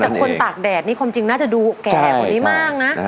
แต่คนตากแดดนี่ความจริงน่าจะดูแก่กว่านี้มากนะ